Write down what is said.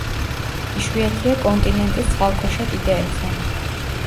იშვიათია კონტინენტის წყალქვეშა კიდეებზე.